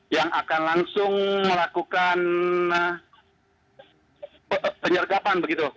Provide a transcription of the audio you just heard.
yang akan langsung melakukan penyergapan begitu